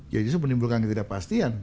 ya itu penimbulkan ketidakpastian